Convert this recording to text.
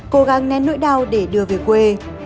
cố gắng nén nỗi đau để đưa về quê